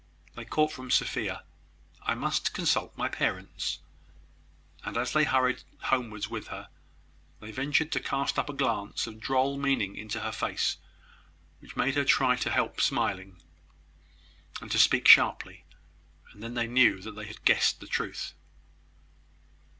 They caught from Sophia, "I must consult my parents;" and as they hurried homewards with her, they ventured to cast up a glance of droll meaning into her face, which made her try to help smiling, and to speak sharply; and then they knew that they had guessed the truth.